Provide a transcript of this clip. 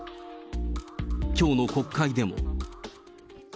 きょうの国会でも。